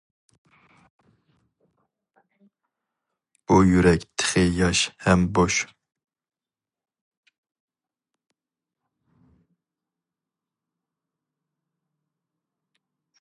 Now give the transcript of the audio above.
بۇ يۈرەك تېخى ياش ھەم بوش.